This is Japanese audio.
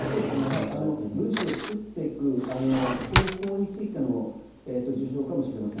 分子を作っていく方法についての受賞かもしれません。